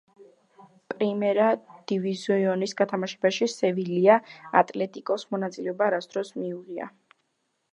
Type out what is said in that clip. პრიმერა დივიზიონის გათამაშებაში „სევილია ატლეტიკოს“ მონაწილეობა არასდროს მიუღია.